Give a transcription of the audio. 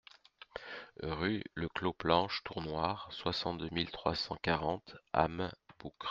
Rue Le Clos Planche Tournoire, soixante-deux mille trois cent quarante Hames-Boucres